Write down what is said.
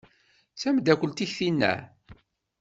D tameddakelt-ik tinna?